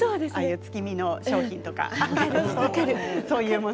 月見の商品とかね。